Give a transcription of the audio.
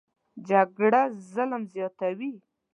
جګړه ظلم زیاتوي